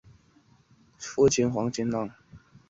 澳洲弹鼠属等之数种哺乳动物。